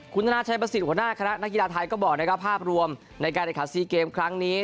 คุณธนาชัยประสิทธิ์หัวหน้าคณะนักกีฬาไทยก็บอกนะครับภาพรวมในการแข่งขันซีเกมครั้งนี้